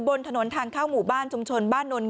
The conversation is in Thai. บนถนนทางเข้าหมู่บ้านชุมชนบ้านนน